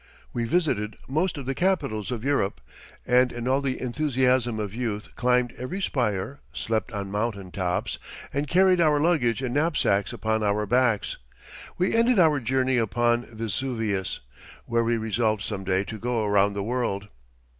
We visited most of the capitals of Europe, and in all the enthusiasm of youth climbed every spire, slept on mountain tops, and carried our luggage in knapsacks upon our backs. We ended our journey upon Vesuvius, where we resolved some day to go around the world.